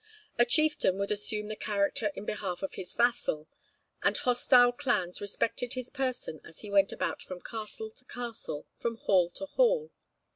A chieftain would assume the character in behalf of his vassal, and hostile clans respected his person as he went about from castle to castle, from hall to hall.